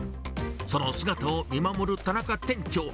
その姿を見守る田中店長。